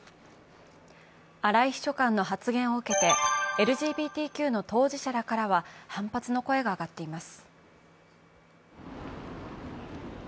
荒井秘書官の発言を受けてＬＧＢＴＱの当事者らからは反発の声が上がっています。